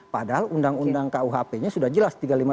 padahal undang undang kuhp nya sudah jelas